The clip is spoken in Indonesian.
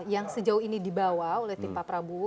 yang sejauh ini dibawa oleh tim pak prabowo